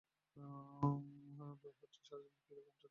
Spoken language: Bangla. ভয় হচ্ছে, সারাজীবন এরকম চলতেই থাকবে।